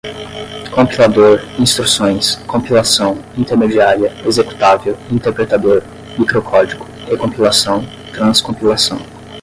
Compilador, instruções, compilação, intermediária, executável, interpretador, microcódigo, recompilação, transcompilação